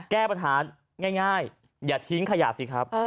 แก้ปัญหาง่ายอย่าทิ้งขยะสิครับ